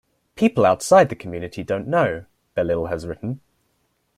"People outside the community don't know," Bellil has written.